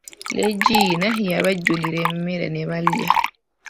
Leegina yabajjulira emmere ne balya.